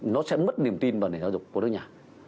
nó sẽ mất niềm tin vào nền giáo dục của nước nhà